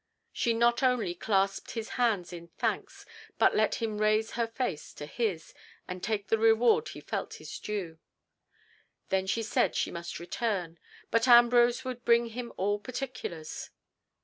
She not only clasped his hand in thanks, but let him raise her face to his, and take the reward he felt his due. Then she said she must return, but Ambrose would bring him all particulars.